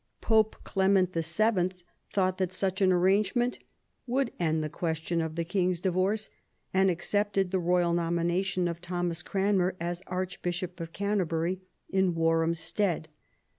Pope Clement VII. thought that such an arrangement would end the question of the King's divorce, and accepted the royal nomination of Thomas Cranmer as Archbishop of Canterbury in Warham's stead.